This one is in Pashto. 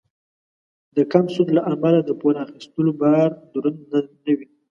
د کم سود له امله د پور اخیستلو بار دروند نه وي.